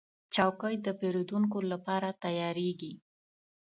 چوکۍ د پیرودونکو لپاره تیارېږي.